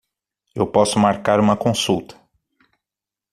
Eu posso marcar uma consulta.